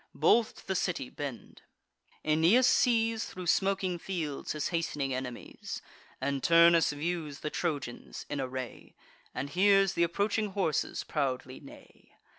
Both to the city bend. Aeneas sees, Thro' smoking fields, his hast'ning enemies; And Turnus views the Trojans in array, And hears th' approaching horses proudly neigh.